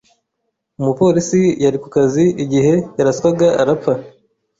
Umupolisi yari ku kazi igihe yaraswaga arapfa.